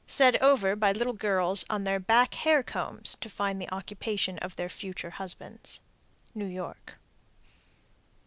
Said over by little girls on their back hair combs to find the occupation of their future husbands. _New York.